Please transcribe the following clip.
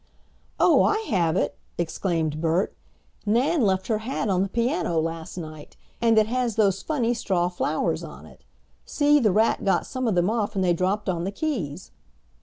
"Oh, I have it!" exclaimed Bert. "Nan left her hat on the piano last night, and it has those funny straw flowers on it. See, the rat got some of them off and they dropped on the keys."